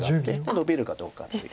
ノビるかどうかという。